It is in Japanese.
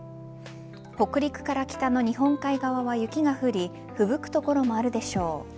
北陸から北の日本海側は雪が降りふぶく所もあるでしょう。